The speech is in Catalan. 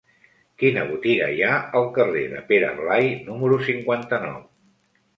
Quina botiga hi ha al carrer de Pere Blai número cinquanta-nou?